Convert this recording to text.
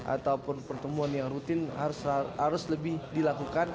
ataupun pertemuan yang rutin harus lebih dilakukan